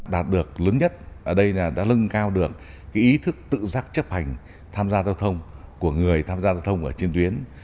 đạt được lớn nhất ở đây là đã lưng cao được ý thức tự giác chấp hành tham gia giao thông của người tham gia giao thông trên tuyến